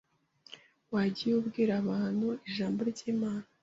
wagiye abwira abantu ijambo ry’Imana